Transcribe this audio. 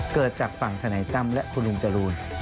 เกิดจากฝั่งธนายตั้มและคุณลุงจรูน